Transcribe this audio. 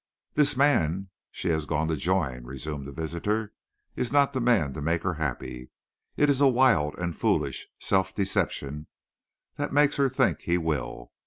"This man she has gone to join," resumed the visitor, "is not the man to make her happy. It is a wild and foolish self deception that makes her think he will.